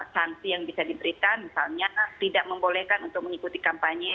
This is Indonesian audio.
sanksi yang bisa diberikan misalnya tidak membolehkan untuk mengikuti kampanye